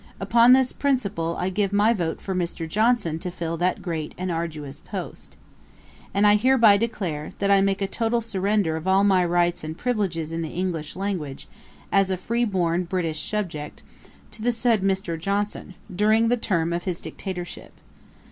Upon this principle, I give my vote for Mr. Johnson to fill that great and arduous post. And I hereby declare, that I make a total surrender of all my rights and privileges in the English language, as a free born British subject, to the said Mr. Johnson, during the term of his dictatorship.